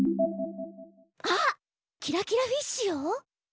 あっキラキラフィッシュよ！